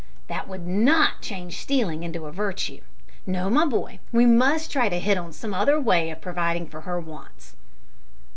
"That would not change stealing into a virtue. No, my boy, we must try to hit on some other way of providing for her wants."